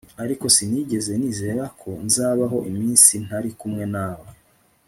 ariko sinigeze nizera ko nzabaho iminsi ntari kumwe nawe